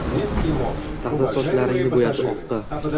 Taqdir sochlaringni buyadi oqqa